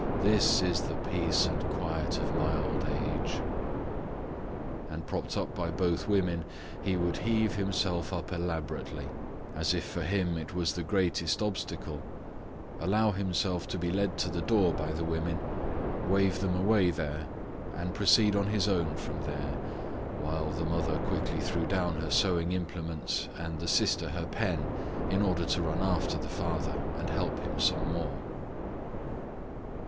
This is the peace and quiet of my old age." And propped up by both women, he would heave himself up elaborately, as if for him it was the greatest trouble, allow himself to be led to the door by the women, wave them away there, and proceed on his own from there, while the mother quickly threw down her sewing implements and the sister her pen in order to run after the father and help him some more.